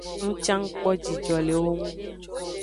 Ng can ng kpo jijo le ewo ngu.